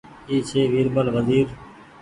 اي ڇي ورمل وزير